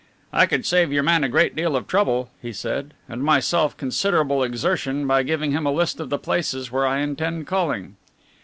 "I could save your man a great deal of trouble," he said, "and myself considerable exertion by giving him a list of the places where I intend calling."